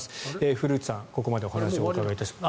古内さんにここまでお話をお伺いしました。